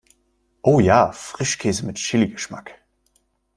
Oh ja, Frischkäse mit Chili-Geschmack!